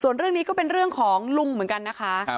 ส่วนเรื่องนี้ก็เป็นเรื่องของลุงเหมือนกันนะคะ